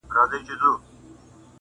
o ته حرکت وکه، زه به برکت وکم٫